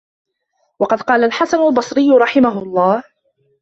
وَقَدْ قَالَ الْحَسَنُ الْبَصْرِيُّ رَحِمَهُ اللَّهُ